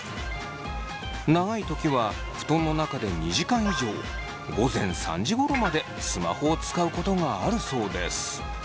長い時は布団の中で２時間以上午前３時ごろまでスマホを使うことがあるそうです。